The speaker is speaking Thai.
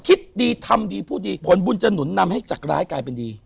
คิดดีทำดีพูดดีผลบุญจะหนุนนำให้จากร้ายกลายเป็นดี